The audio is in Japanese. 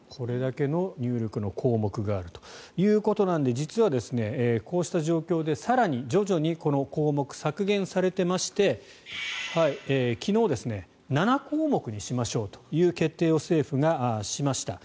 これだけの入力の項目があるということなので実はこういう状況で更に徐々にこの項目が削減されていまして昨日、７項目にしましょうという決定を政府がしました。